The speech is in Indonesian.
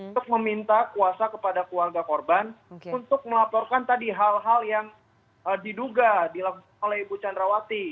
untuk meminta kuasa kepada keluarga korban untuk melaporkan tadi hal hal yang diduga dilakukan oleh ibu chandrawati